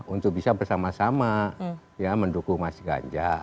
untuk bisa bersama sama mendukung mas ganjar